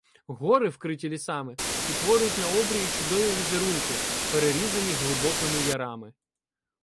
Гори, вкриті лісами, утворюють на обрії чудові візерунки, перерізані глибокими ярами.